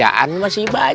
apaan itu dia